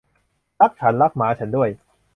รักฉัน รักหมาฉันด้วย